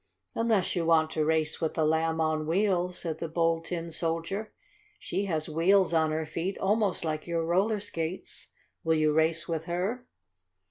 "Unless you want to race with the Lamb on Wheels," said the Bold Tin Soldier. "She has wheels on her feet almost like your roller skates. Will you race with her?"